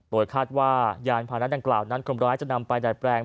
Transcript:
โดยคาดว่ายานพานะดังกล่าวนั้นคนร้ายจะนำไปดัดแปลง